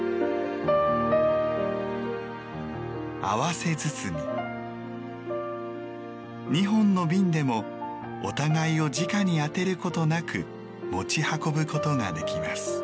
「合わせ包み」２本の瓶でもお互いをじかに当てることなく持ち運ぶことができます。